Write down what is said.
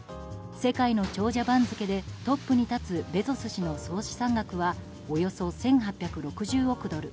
世界の長者番付でトップに立つベゾス氏の総資産額はおよそ１８６０億ドル。